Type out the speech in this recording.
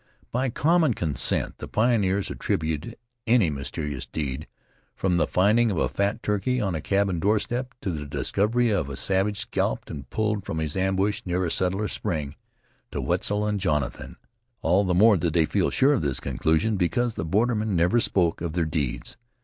By common consent the pioneers attributed any mysterious deed, from the finding of a fat turkey on a cabin doorstep, to the discovery of a savage scalped and pulled from his ambush near a settler's spring, to Wetzel and Jonathan. All the more did they feel sure of this conclusion because the bordermen never spoke of their deeds.